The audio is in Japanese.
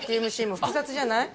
ＴＭＣも複雑じゃない？